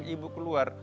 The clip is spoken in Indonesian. ketika ibu keluar